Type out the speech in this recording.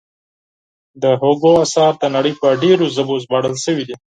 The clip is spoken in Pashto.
د هوګو اثار د نړۍ په ډېرو ژبو ژباړل شوي دي.